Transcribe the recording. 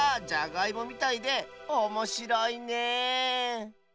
じゃがいもみたいでおもしろいね